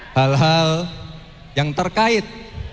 hal hal yang terkait